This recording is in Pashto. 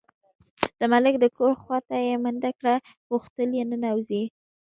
د ملک د کور خواته یې منډه کړه، غوښتل یې ننوځي.